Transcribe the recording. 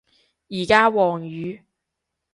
而家黃雨